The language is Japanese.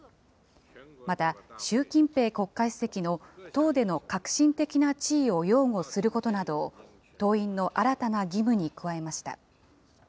また、習近平国家主席の党での核心的な地位を擁護することなどを、党員の新たな義務に加えました。